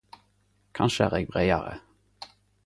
Kanskje er eg breiare.